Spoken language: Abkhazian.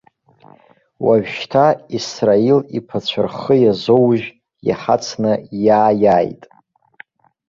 Уажәшьҭа Исраил иԥацәа рхы иазоужь, иҳацны иааиааит.